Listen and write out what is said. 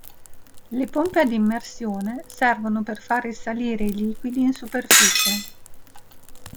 Le pompe a immersione servono per far risalire i liquidi in superficie.